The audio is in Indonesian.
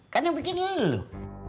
kan yang bikin ini loh